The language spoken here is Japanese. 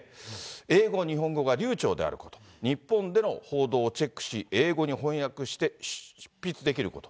英語、日本語が流ちょうであること、日本での報道をチェックし、英語に翻訳して執筆できること。